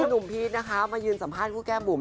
หนุ่มพีชนะคะมายืนสัมภาษณ์คู่แก้มบุ๋ม